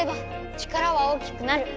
力は大きくなる！